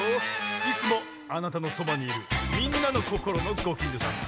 いつもあなたのそばにいるみんなのこころのごきんじょさん